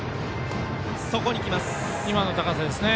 今の高さですね。